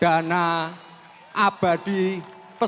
danah yang berharga dan kemampuan